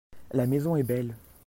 La maison est belle.